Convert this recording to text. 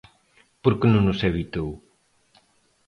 ¿Por que non os evitou?